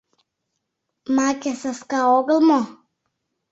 Маке саска огыл мо!